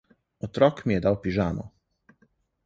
Otrok mi je dal pižamo.